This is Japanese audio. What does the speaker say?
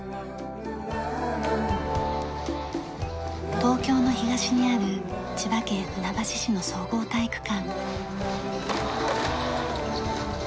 東京の東にある千葉県船橋市の総合体育館。